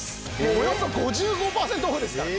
およそ５５パーセントオフですから。